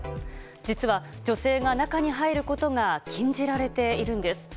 実は、女性が中に入ることが禁じられているんです。